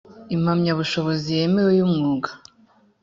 impamyabushobozi yemewe y umwuga